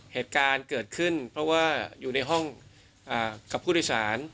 เหตุการณ์เกิดขึ้นเพราะว่าอยู่ในห้องกับผู้โดยสาร